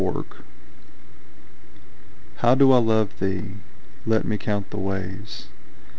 XLIII How do I love thee? Let me count the ways.